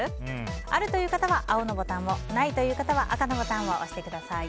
あるという方は青のボタンをないという方は赤のボタンを押してください。